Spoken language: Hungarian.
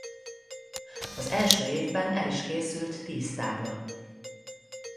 Az első évben el is készült tíz tábla.